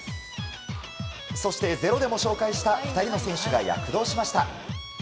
そして「ｚｅｒｏ」でも紹介した２人の選手が躍動しました。